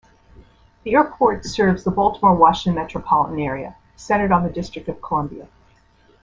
The airport serves the Baltimore-Washington metropolitan area, centered on the District of Columbia.